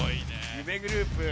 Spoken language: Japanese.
夢グループ！